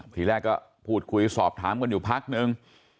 ทีแรกก็สอบถามกันอยู่พักนึง